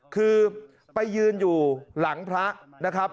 คือไปยืนอยู่หลังพระนะครับ